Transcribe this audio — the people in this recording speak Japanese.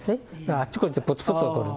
あっちこっちでぽつぽつ起こる。